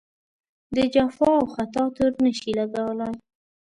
د جفا او خطا تور نه شي لګولای.